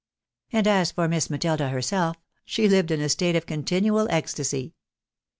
And as for Miss Matilda her self, she lived in a state of continual ecstasy.